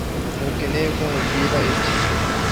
ntukeneye ko nkubwira ibyo